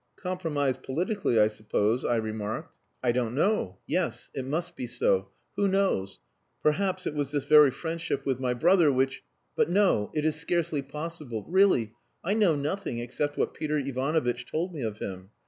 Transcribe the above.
"Compromised politically, I suppose," I remarked. "I don't know. Yes. It must be so. Who knows! Perhaps it was this very friendship with my brother which.... But no! It is scarcely possible. Really, I know nothing except what Peter Ivanovitch told me of him.